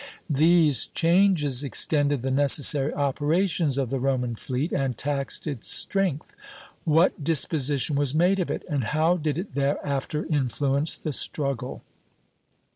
These changes extended the necessary operations of the Roman fleet, and taxed its strength. What disposition was made of it, and how did it thereafter influence the struggle?